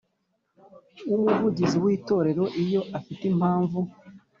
w Umuvugizi w Itorero Iyo afite impamvu